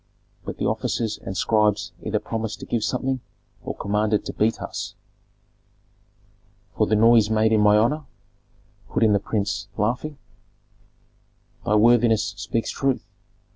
But the officers and scribes either promised to give something or commanded to beat us." "For the noise made in my honor?" put in the prince, laughing. "Thy worthiness speaks truth.